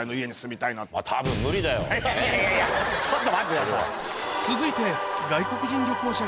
いやいやちょっと待ってください！